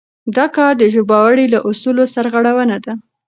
دا کار د ژباړې له اصولو سرغړونه ده.